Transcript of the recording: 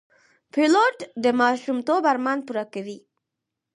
پیلوټ د ماشومتوب ارمان پوره کوي.